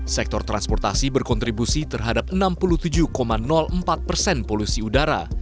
sektor transportasi berkontribusi terhadap enam puluh tujuh empat persen polusi udara